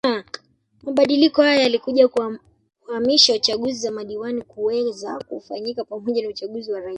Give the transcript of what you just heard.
Mabadiliko haya yalikuja kuhamisha chaguzi za madiwani kuweza kufanyika pamoja na uchaguzi wa Rais